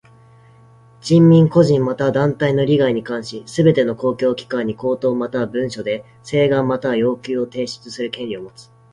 人民は個人または団体の利害に関しすべての公共機関に口頭または文書で請願または要求を提出する権利をもつ。